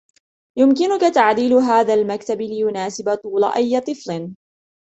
يمكنك تعديل هذا المكتب ليناسب طول أي طفل.